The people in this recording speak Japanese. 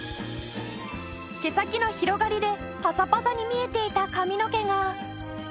毛先の広がりでパサパサに見えていた髪の毛が。